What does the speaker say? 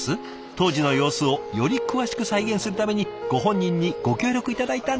当時の様子をより詳しく再現するためにご本人にご協力頂いたんです。